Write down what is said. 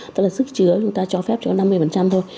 tức là sức chứa chúng ta cho phép cho năm mươi thôi